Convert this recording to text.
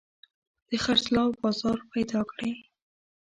د خرڅلاو بازار پيدا کړي.